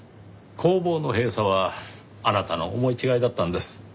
工房の閉鎖はあなたの思い違いだったんです。